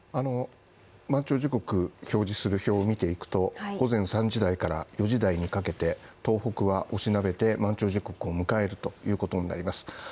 満潮時刻表示する表を見ていくと、午前３時台から４時台にかけて東北はおしなべて満潮時刻を迎えるということになります